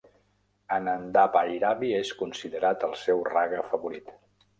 Anandabhairavi és considerat el seu raga favorit.